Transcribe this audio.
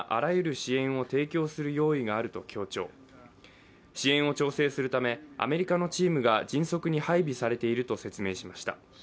支援を調整するためアメリカのチームが迅速に配備されていると説明しました。